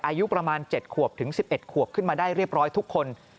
อายุประมาณ๗ขวบถึง๑๑ขวบขึ้นมาได้เรียบร้อยทุกคน